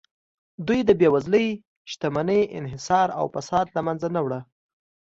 دوی د بېوزلۍ، شتمنۍ انحصار او فساد له منځه نه وړه